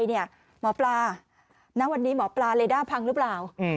หมอปลาณวันนี้หมอปลาเลด้าพังหรือเปล่า